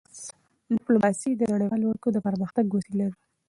ډیپلوماسي د نړیوالو اړیکو د پرمختګ وسیله ده.